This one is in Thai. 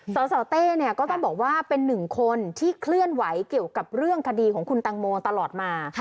สสเต้เนี่ยก็ต้องบอกว่าเป็นหนึ่งคนที่เคลื่อนไหวเกี่ยวกับเรื่องคดีของคุณตังโมตลอดมา